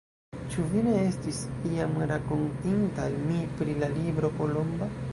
Ĉu vi ne estis iam rakontinta al mi pri la libro Kolomba?